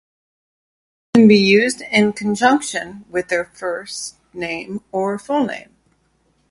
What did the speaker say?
It can be used in conjunction with their first name or full name.